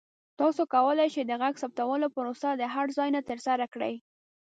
تاسو کولی شئ د غږ ثبتولو پروسه د هر ځای نه ترسره کړئ.